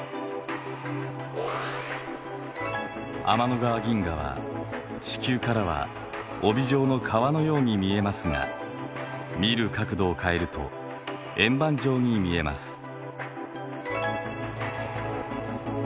天の川銀河は地球からは帯状の川のように見えますが見る角度を変えると円盤状に見えます。